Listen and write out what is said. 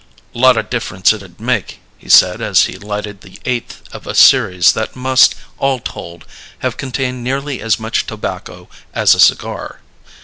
"Lot o' difference it'd make!" he said, as he lighted the eighth of a series that must, all told, have contained nearly as much tobacco as a cigar.